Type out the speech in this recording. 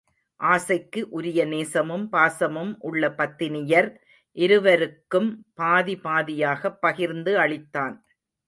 ஆசைக்கு உரிய நேசமும் பாசமும் உள்ள பத்தினியர் இருவருக்கும் பாதி பாதியாகப் பகிர்ந்து அளித்தான்.